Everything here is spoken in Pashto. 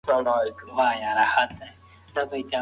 په کونړ او لغمان کې د جوارو کښت د مالدارۍ لپاره خورا ګټور دی.